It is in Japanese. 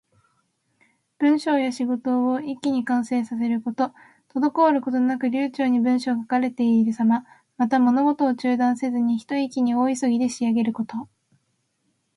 文章や仕事を一気に完成させること。滞ることなく流暢に文章が書かれているさま。また、物事を中断せずに、ひと息に大急ぎで仕上げること。